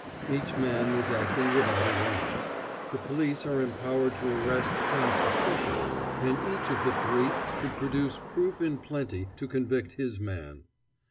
Each man was acting without a warrant. The police are empowered to arrest "on suspicion," and each of the three could produce proof in plenty to convict his man.